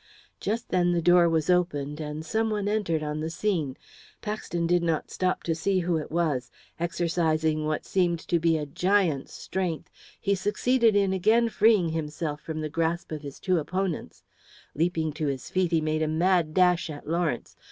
Just then the door was opened and some one entered on the scene. Paxton did not stop to see who it was. Exercising what seemed to be a giant's strength, he succeeded in again freeing himself from the grasp of his two opponents. Leaping to his feet, he made a mad dash at Lawrence.